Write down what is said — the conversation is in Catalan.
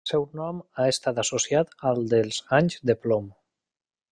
El seu nom ha estat associat als dels anys de plom.